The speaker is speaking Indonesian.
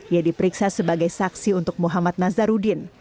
ia diperiksa sebagai saksi untuk muhammad nazarudin